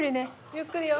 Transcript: ゆっくりよ。